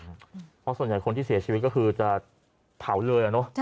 เพราะส่วนใหญ่คนที่เสียชีวิตก็คือจะเผาเลย